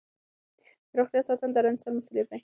د روغتیا ساتنه د هر انسان مسؤلیت دی.